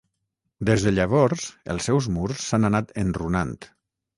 Des de llavors els seus murs s'han anat enrunant.